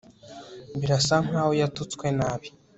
Birasa nkaho yatutswe nabi